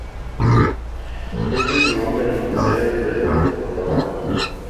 Debe su nombre al empresario Alfredo Fortabat.